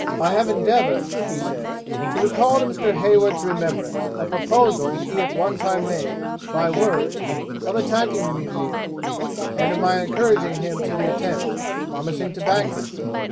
'I have endeavoured,' he says, 'to recall to Mr. Hayward's remembrance a proposal he at one time made, by words, of attacking the mutineers, and of my encouraging him to the attempt, promising to back him.